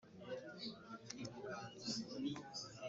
berekeza iruhande rwa wa mugezi wari wuzuye.